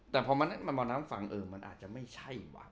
แต่พอมันมัวน้ำฝังออกว่ามันอาจจะไม่ใช่